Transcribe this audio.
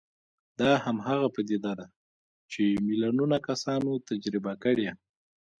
دا هماغه پديده ده چې ميليونونه کسانو تجربه کړې.